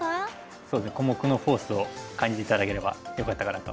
そうですね小目のフォースを感じて頂ければよかったかなと。